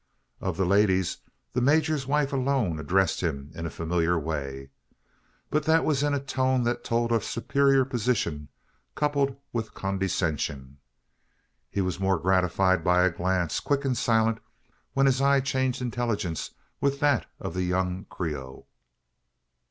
Of the ladies, the major's wife alone addressed him in a familiar way; but that was in a tone that told of superior position, coupled with condescension. He was more gratified by a glance quick and silent when his eye changed intelligence with that of the young Creole.